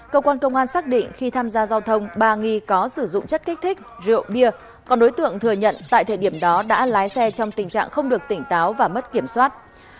cơ quan công an xác định khi tham gia giao thông ba nghi có sử dụng chất kích thích rượu bia còn đối tượng thừa nhận tại thời điểm đó đã lái xe trong tình trạng không được tỉnh táo và mất kiểm soát